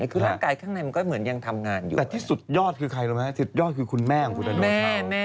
คือร่างกายข้างในมันก็เหมือนยังทำงานอยู่แต่ที่สุดยอดคือใครรู้ไหมสุดยอดคือคุณแม่ของคุณตานุษย์